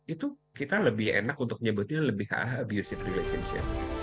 itu kita lebih enak untuk nyebutnya lebih ke arah abusive relationship